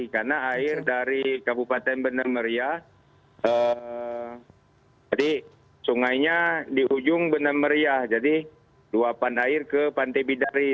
karena air dari kabupaten benemerya sungainya di ujung benemerya jadi keluapan air ke pantai bidari